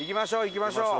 行きましょう。